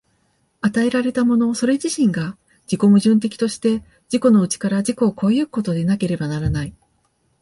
与えられたものそれ自身が自己矛盾的として、自己の内から自己を越え行くことでなければならない。